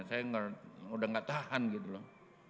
saya udah gak tahan gitu loh